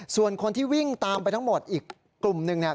ส่วนคนที่วิ่งตามไปทั้งหมดอีกกลุ่มหนึ่งเนี่ย